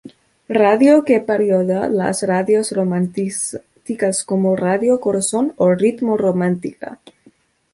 Radio que parodia las radios románticas como Radio Corazón o Ritmo Romántica.